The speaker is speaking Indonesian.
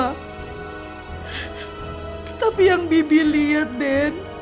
tetapi yang bibi lihat den